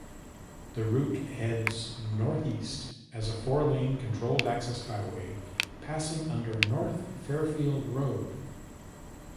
The route heads northeast as a four-lane controlled-access highway, passing under North Fairfield Road.